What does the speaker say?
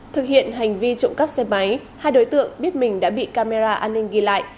thực hiện hành vi trộm cắp xe máy hai đối tượng biết mình đã bị camera an ninh ghi lại